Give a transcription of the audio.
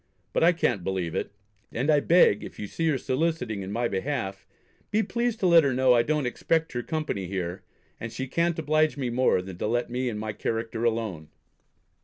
But I can't believe it; and I beg if you see her soliciting in my behalf, be pleased to let her know I don't expect her company here, and she can't oblige me more than to let me and my character alone.